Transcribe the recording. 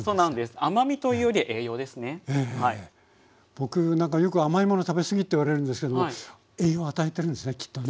僕よく「甘い物食べ過ぎ」って言われるんですけども栄養与えてるんですねきっとね。